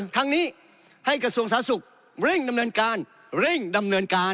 ทั้งนี้ให้กระทรวงสาธารณสุขเร่งดำเนินการเร่งดำเนินการ